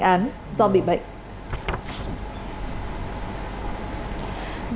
hành án do bị bệnh